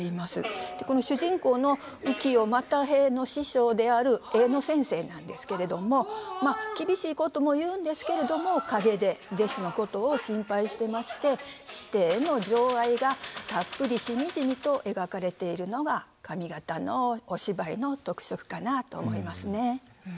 主人公の浮世又平の師匠である絵の先生なんですけれどもまあ厳しいことも言うんですけれども陰で弟子のことを心配してまして師弟の情愛がたっぷりしみじみと描かれているのが上方のお芝居の特色かなと思いますね。